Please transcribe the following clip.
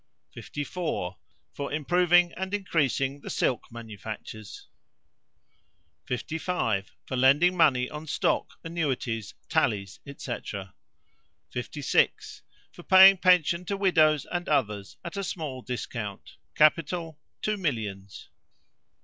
54. For improving and increasing the silk manufactures. 55. For lending money on stock, annuities, tallies, &c. 56. For paying pensions to widows and others, at a small discount. Capital, two millions.